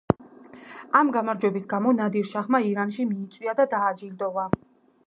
ამ გამარჯვების გამო ნადირ-შაჰმა ირანში მიიწვია და დააჯილდოვა.